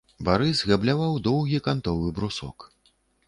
Барыс габляваў доўгі кантовы брусок.